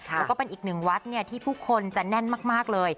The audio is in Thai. แล้วก็เป็นอีกหนึ่งวัดที่ผู้คนจะแน่นมากเลย